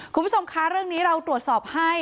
คุณผู้ชมคะเรื่องนี้เราตรวจสอบให้